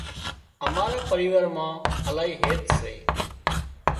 امارا پريوار مان الاهي هيت سي